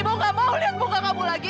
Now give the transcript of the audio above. ibu gak mau lihat muka kamu lagi